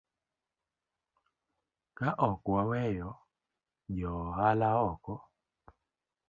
Ka ok waweyo joohala oko